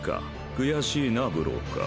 悔しいなブローカー。